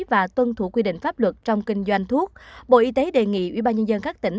và tuân thủ quy định pháp luật trong kinh doanh thuốc bộ y tế đề nghị ủy ban nhân dân các tỉnh